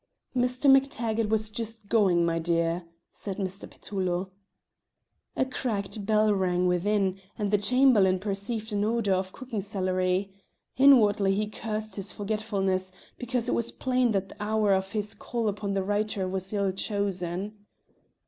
"Mr. MacTaggart was just going, my dear," said Mr. Petullo. A cracked bell rang within, and the Chamberlain perceived an odour of cooking celery. Inwardly he cursed his forgetfulness, because it was plain that the hour for his call upon the writer was ill chosen.